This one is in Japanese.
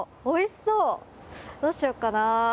どうしようかな？